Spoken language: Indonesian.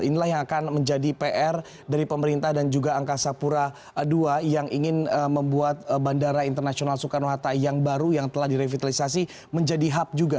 inilah yang akan menjadi pr dari pemerintah dan juga angkasa pura ii yang ingin membuat bandara internasional soekarno hatta yang baru yang telah direvitalisasi menjadi hub juga